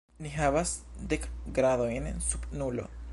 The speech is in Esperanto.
Ni havas dek gradojn sub nulo.